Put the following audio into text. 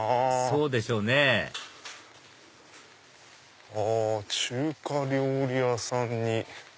そうでしょうねあ中華料理屋さんに。